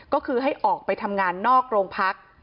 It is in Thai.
ก็คือให้ออกไปทำงานนอกโรงพัก